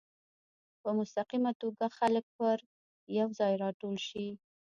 په مستقیمه توګه خلک پر یو ځای راټول شي.